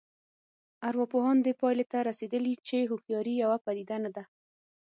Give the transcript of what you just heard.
ارواپوهان دې پایلې ته رسېدلي چې هوښیاري یوه پدیده نه ده